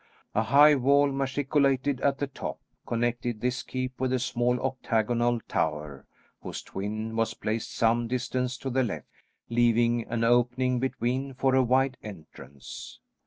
A high wall, machicolated at the top, connected this keep with a small octagonal tower, whose twin was placed some distance to the left, leaving an opening between for a wide entrance.